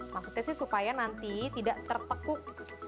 maksudnya sih supaya nanti tidak tertekuk